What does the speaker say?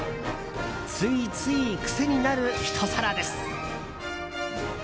ついつい癖になるひと皿です。